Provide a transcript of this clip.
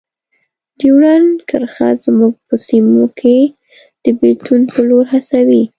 ډیورنډ کرښه زموږ په سیمو کې د بیلتون په لور هڅوي.